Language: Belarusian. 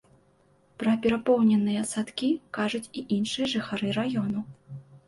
Пра перапоўненыя садкі кажуць і іншыя жыхары раёну.